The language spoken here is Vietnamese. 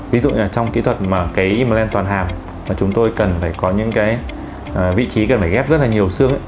ví dụ như là trong kỹ thuật mà kế im lên toàn hàm và chúng tôi cần phải có những cái vị trí cần phải ghép rất là nhiều xương ấy